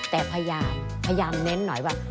แต่พยายามพยายามเน้นหน่อยว่า